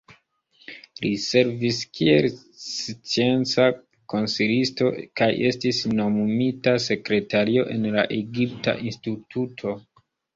Li servis kiel scienca konsilisto, kaj estis nomumita sekretario en la Egipta Instituto.